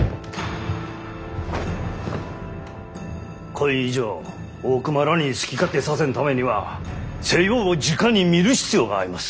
こい以上大隈らに好き勝手させんためには西洋をじかに見る必要があいもす。